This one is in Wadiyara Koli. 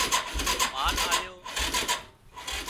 مال آليو